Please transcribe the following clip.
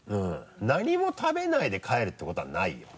何も食べないで帰るってことはないよ。